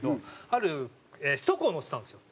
ある首都高に乗ってたんですよ。